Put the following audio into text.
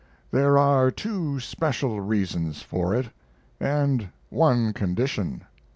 There are two special reasons for it and one condition.